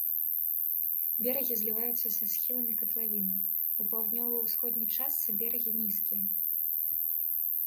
Берагі зліваюцца са схіламі катлавіны, у паўднёва-усходняй частцы берагі нізкія.